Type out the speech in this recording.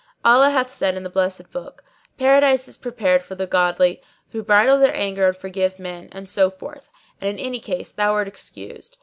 Allah hath said in the Blessed Book,[FN#613] 'Paradise is prepared for the goodly who bridle their anger and forgive men.' and so forth; and in any case thou art excused.